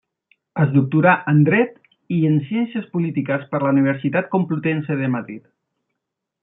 Es doctorà en Dret i en ciències polítiques per la Universitat Complutense de Madrid.